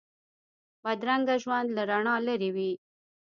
بدرنګه ژوند له رڼا لرې وي